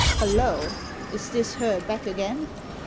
Hullo, is this her back again?"